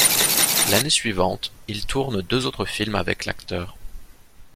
L'année suivante, il tourne deux autres films avec l'acteur.